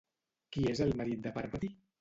Qui és el marit de Pàrvati?